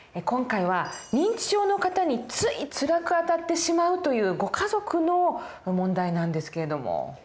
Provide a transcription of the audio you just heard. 今回は認知症の方についつらくあたってしまうというご家族の問題なんですけれども。